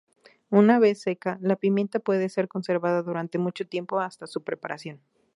Una vez seca, la pimienta puede ser conservada durante mucho tiempo hasta su preparación.